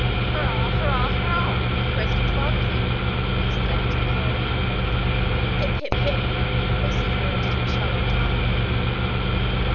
"Hurrah! hurrah! hurrah! for President Barbicane," exclaimed Nicholl. "Hip! hip! hip!" vociferated Michel Ardan.